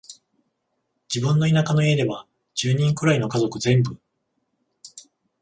自分の田舎の家では、十人くらいの家族全部、